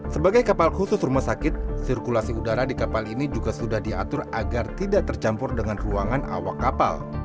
sebagai kapal khusus rumah sakit sirkulasi udara di kapal ini juga sudah diatur agar tidak tercampur dengan ruangan awak kapal